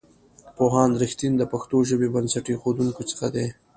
پوهاند رښتین د پښتو ژبې بنسټ ایښودونکو څخه دی.